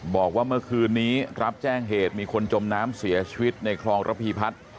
บอกว่าเมื่อคืนนี้รับแจ้งเหตุมีคนจมน้ำเสียชีวิตในคลองระพีพัฒน์